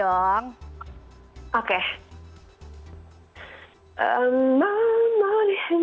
oh ya boleh dong